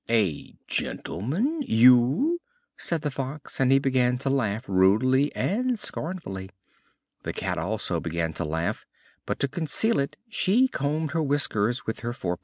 "A gentleman you!" said the Fox, and he began to laugh rudely and scornfully. The Cat also began to laugh, but to conceal it she combed her whiskers with her forepaws.